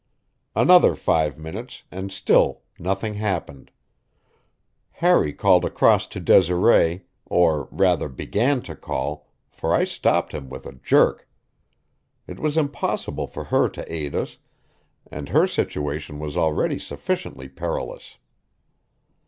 Another five minutes and still nothing happened. Harry called across to Desiree, or rather began to call, for I stopped him with a jerk. It was impossible for her to aid us, and her situation was already sufficiently perilous.